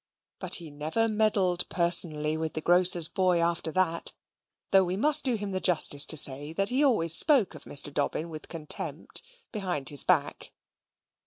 But he never meddled personally with the grocer's boy after that; though we must do him the justice to say he always spoke of Mr. Dobbin with contempt behind his back.